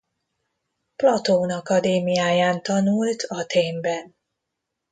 Platón akadémiáján tanult Athénben.